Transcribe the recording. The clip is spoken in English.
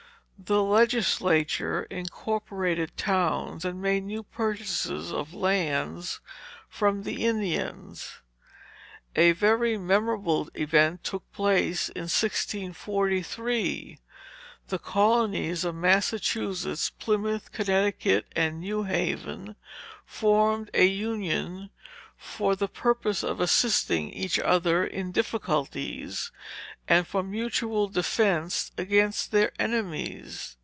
The legislature incorporated towns, and made new purchases of lands from the Indians. A very memorable event took place in 1643. The colonies of Massachusetts, Plymouth, Connecticut, and New Haven, formed a union, for the purpose of assisting each other in difficulties, and for mutual defence against their enemies.